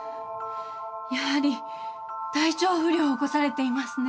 やはり体調不良を起こされていますね。